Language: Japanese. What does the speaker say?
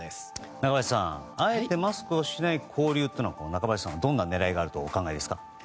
中林さん、あえてマスクをしない交流というのは中林さんはどんな狙いがあるとお考えですか。